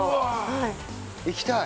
行きたい。